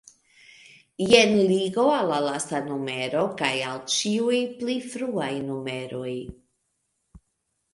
Jen ligo al la lasta numero kaj al ĉiuj pli fruaj numeroj.